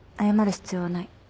謝る必要はない。